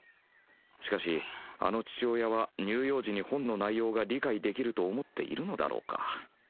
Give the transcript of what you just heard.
しかしあの父親は乳幼児に本の内容が理解できると思っているのだろうか。